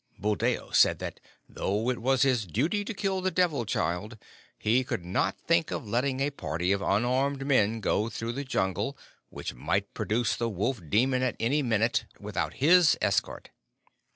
Buldeo said that, though it was his duty to kill the Devil child, he could not think of letting a party of unarmed men go through the Jungle, which might produce the Wolf demon at any minute, without his escort.